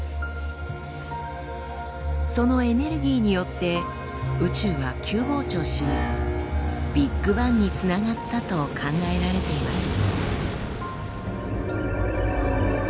そのエネルギーによって宇宙は急膨張しビッグバンにつながったと考えられています。